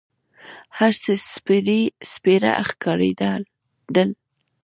هر څه سپېره ښکارېدل.